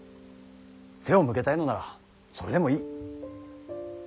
背を向けたいのならそれでもいい。